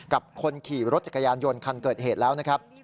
กับคนขี่รถจักรยานยนต์คันเกิดเหตุแล้วนะครับ